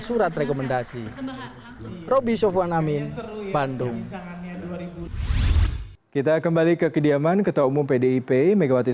surat rekomendasi roby sofwan amin bandung kita kembali ke kediaman ketua umum pdip megawati